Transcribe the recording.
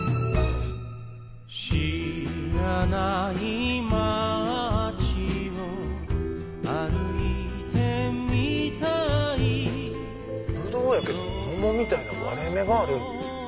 知らない街を歩いてみたいぶどうやけど桃みたいな割れ目がある。